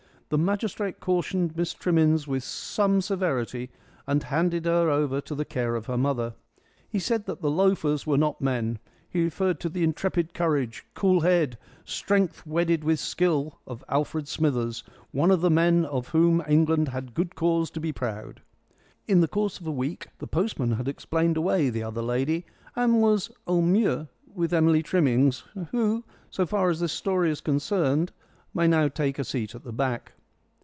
The magistrate cautioned Miss Trimmins with some severity, and handed her over to the care of her mother. He said that the loafers were not men. He referred to the intrepid courage, cool head, strength wedded with skill, of Alfred Smithers one of the men of whom England had good cause to be proud. In the course of a week the postman had explained away the other lady and was au mieux with Emily Trimmins, who, so far as this story is concerned, may now take a seat at the back.